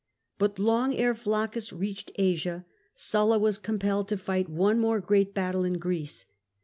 But long ere Flaccus reached Asia, Sulla was compelled to fight one more great battle in Greece.